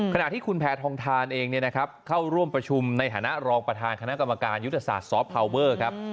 ขณะที่คุณแพทองทานเองเข้าร่วมประชุมในฐานะรองประธานคณะกรรมการยุทธศาสตร์ซอฟพาวเวอร์ครับ